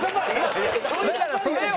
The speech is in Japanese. だからそれよ！